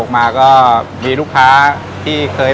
เช่นอาชีพพายเรือขายก๋วยเตี๊ยว